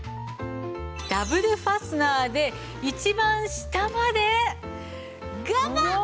ダブルファスナーで一番下までガバッ！